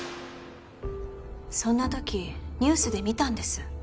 そんな時ニュースで見たんです。